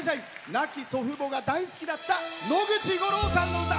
亡き母が大好きだった野口五郎さんの歌。